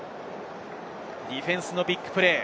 ディフェンスのビッグプレー。